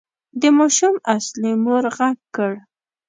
د ماشوم اصلي مور غږ کړ.